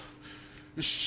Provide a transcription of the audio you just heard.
よし！